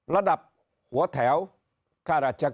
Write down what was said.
ระดับหัวแถวค่าราชการ